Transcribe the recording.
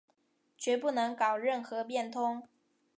决不能搞任何变通